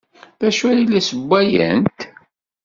D acu ay la ssewwayent?